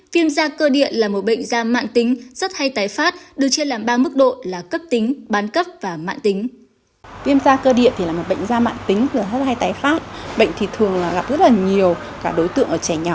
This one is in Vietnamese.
viêm da cơ điện là một bệnh da mạng tính rất hay tái phát được chia làm ba mức độ là cấp tính bán cấp và mạng tính